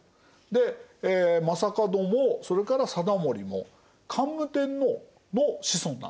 で将門もそれから貞盛も桓武天皇の子孫なんですね。